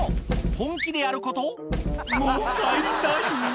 本気でやる子と「もう帰りたい」